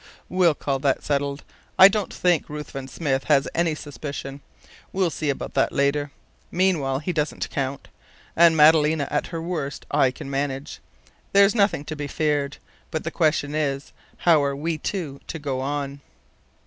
"We'll call that settled. I don't think Ruthven Smith has any suspicion. We'll see about that later. Meanwhile, he doesn't count. And Madalena at her worst I can manage. There's nothing to be feared. But the question is, how are we two to go on?"